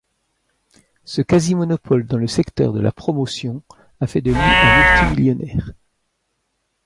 Ce quasi-monopole dans le secteur de la promotion a fait de lui un multi-millionnaire.